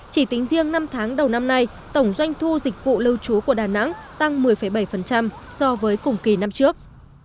chỉ tính riêng năm tháng đầu năm nay tổng doanh thu dịch vụ lưu trú của đà nẵng tăng một mươi bảy so với cùng kỳ năm trước